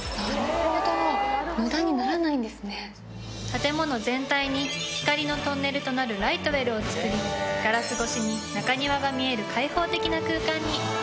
建物全体に光のトンネルとなるライトウェルを造りガラス越しに中庭が見える開放的な空間に。